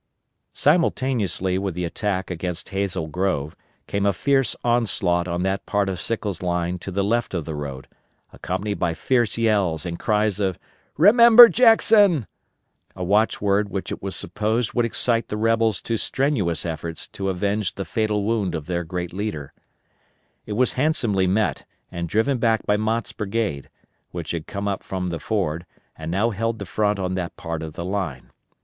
Simultaneously with the attack against Hazel Grove came a fierce onslaught on that part of Sickles' line to the left of the road, accompanied by fierce yells and cries of "Remember Jackson!" a watch word which it was supposed would excite the rebels to strenuous efforts to avenge the fatal wound of their great leader. It was handsomely met and driven back by Mott's brigade, which had come up from the Ford, and now held the front on that part of the line.